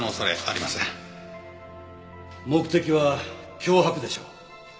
目的は脅迫でしょう。